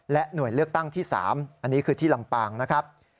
หน่วยเลือกตั้งที่๓อันนี้คือที่ลำปางนะครับ